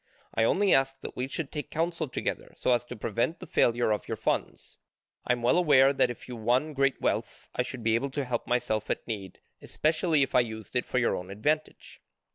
I only ask that we should take counsel together so as to prevent the failure of your funds. I am well aware that if you won great wealth, I should be able to help myself at need, especially if I used it for your own advantage.